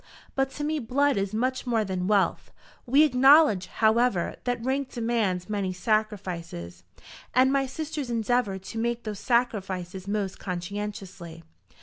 But to me blood is much more than wealth. We acknowledge, however, that rank demands many sacrifices, and my sisters endeavour to make those sacrifices most conscientiously.